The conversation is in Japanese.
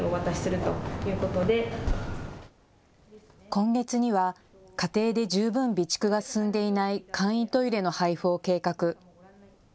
今月には家庭で十分備蓄が進んでいない簡易トイレの配付を計画。